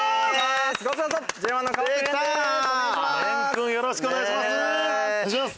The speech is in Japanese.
蓮君よろしくお願いします。